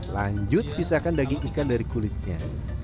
lanjut pisahkan daging ikan dari kulitnya